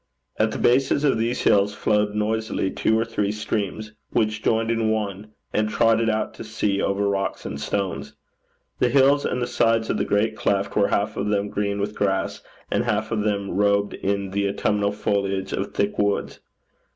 At the bases of these hills flowed noisily two or three streams, which joined in one, and trotted out to sea over rocks and stones. The hills and the sides of the great cleft were half of them green with grass, and half of them robed in the autumnal foliage of thick woods.